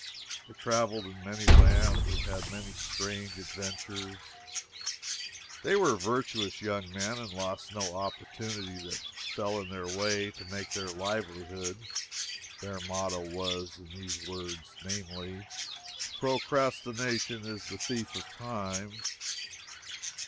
They traveled in many lands, and had many strange adventures. They were virtuous young men, and lost no opportunity that fell in their way to make their livelihood. Their motto was in these words, namely, "Procrastination is the thief of time."